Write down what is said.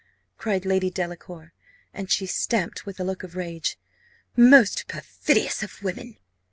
cried Lady Delacour, and she stamped with a look of rage "most perfidious of women!"